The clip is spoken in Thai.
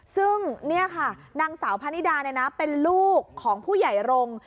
ซึ่งนี่ค่ะนางสาวพะนิดาเป็นลูกของผู้ใหญ่รงค์